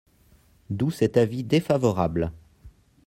D’où cet avis défavorable.